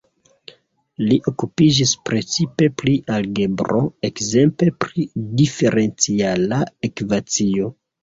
Li okupiĝis precipe pri algebro, ekzemple pri diferenciala ekvacio.